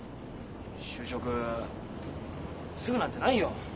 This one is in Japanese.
就職すぐなんてないよ。